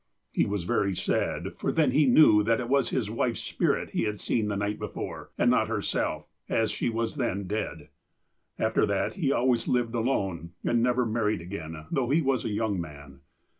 "He was very sad, for then he knew that it was his wife's spirit he had seen the night before, and not her self, as she was then dead. " After that he always lived alone, and never married again, though he was a young man.